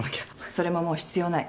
それももう必要ない。